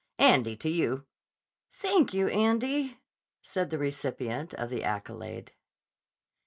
Andy, to you." "Thank you, Andy," said the recipient of the accolade.